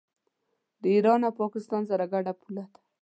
د ایران او پاکستان سره ګډه پوله ده.